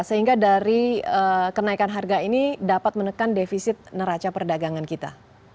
sehingga dari kenaikan harga ini dapat menekan defisit neraca perdagangan kita